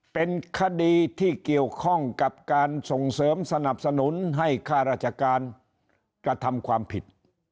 เป็นคดีที่เกี่ยวข้องกับการส่งเสริมสนับสนุนให้ค่าราชการกระทำความผิด